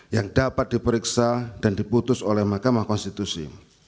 yang dapat diperiksa dan diputus oleh mahkamah konstitusi